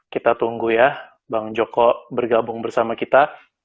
kita tunggu ya bang joko bergabung bersama kita